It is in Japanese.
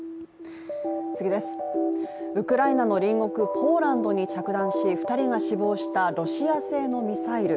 ウクライナの隣国ポーランドに着弾し２人が死亡したロシア製のミサイル。